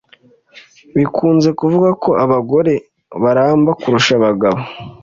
Bikunze kuvugwa ko abagore baramba kurusha abagabo